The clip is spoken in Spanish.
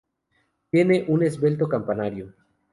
Tiene un esbelto campanario.